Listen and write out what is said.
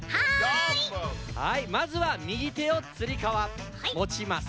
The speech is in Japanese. はいまずはみぎてをつりかわもちます。